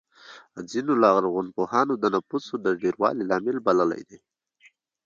ځینو لرغونپوهانو د نفوسو ډېروالی لامل بللی دی.